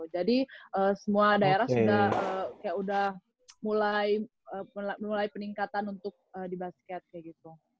semua daerah sudah kayak udah mulai peningkatan untuk di basket kayak gitu